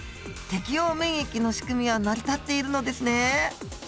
適応免疫のしくみは成り立っているのですね。